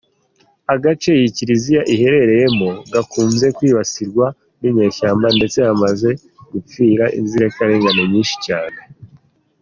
Agace iyi kiliziya iherereyemo gakunze kwibasirwa n’inyeshyamba ndetse hamaze gufira inzirakarengane nyinshi cyane.